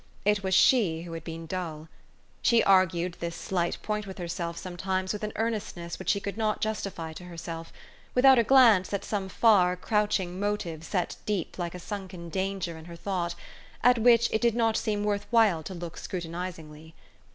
It was she who had been dull. She argued this slight point with herself sometimes with an earnestness which she could not justify to herself, without a glance at some far, crouching motive set deep like a sunken danger in her thought, at which it did not seem worth while to look scrutinizingly.